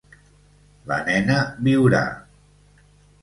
La nena viurà.